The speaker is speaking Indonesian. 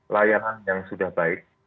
layanan yang sudah baik